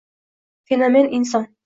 Fenomen-inson